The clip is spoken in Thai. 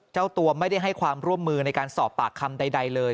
เจ้าตัวไม่ได้ให้ความร่วมมือในการสอบปากคำใดเลย